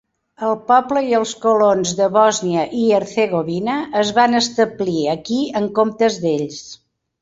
El poble i els colons de Bòsnia i Herzegovina es van establir aquí en comptes d'ells.